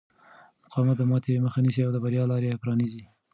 مقاومت د ماتې مخه نیسي او د بریا لارې پرانیزي.